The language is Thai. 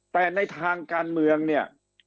แต่ในทางการเมืองเนี่ย